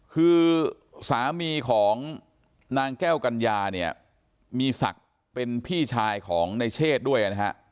คือสามีของนางแก้วกัญญาเนี่ยมีศักดิ์เป็นพี่ชายของในเชศด้วยนะฮะ